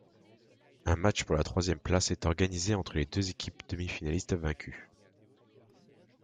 Un match pour la troisième place est organisé entre les deux équipes demi-finalistes vaincues.